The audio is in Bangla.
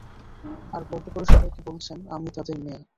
আর গর্ব করে সবাইকে বলছেন আমি তাদের মেয়ে।